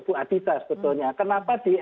bu adita sebetulnya kenapa di